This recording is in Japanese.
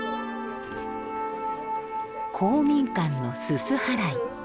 公民館のすす払い。